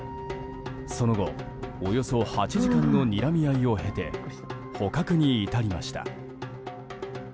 その後、およそ８時間のにらみ合いを経て捕獲に至りました。